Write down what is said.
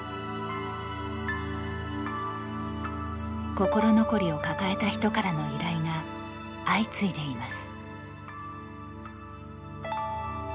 心残りを抱えた人からの依頼が相次いでいます。